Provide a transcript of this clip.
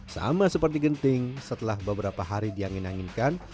sama seperti genting setelah beberapa hari diangin anginkan